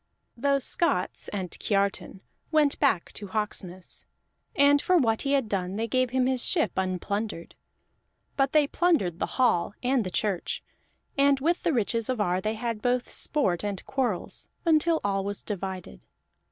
Those Scots and Kiartan went back to Hawksness, and for what he had done they gave him his ship unplundered. But they plundered the hall and the church, and with the riches of Ar they had both sport and quarrels, until all was divided.